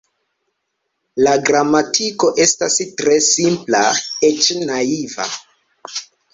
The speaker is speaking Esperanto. La gramatiko estas tre simpla, eĉ naiva.